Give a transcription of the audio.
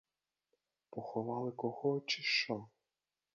Поховали кого, чи що?